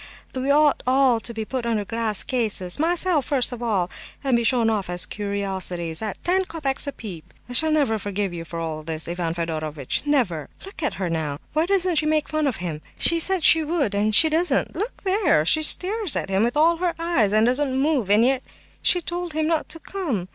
we ought all to be put under glass cases—myself first of all—and be shown off as curiosities, at ten copecks a peep!" "I shall never forgive you for all this, Ivan Fedorovitch—never! Look at her now. Why doesn't she make fun of him? She said she would, and she doesn't. Look there! She stares at him with all her eyes, and doesn't move; and yet she told him not to come.